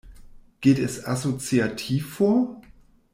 Geht es assoziativ vor?